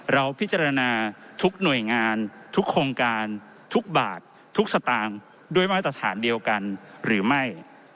เราพิจารณาทุกหน่วยงานทุกโครงการทุกบาททุกสตางค์ด้วยมาตรฐานเดียวกันหรือไม่